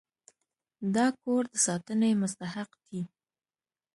دا کور د ساتنې مستحق دی.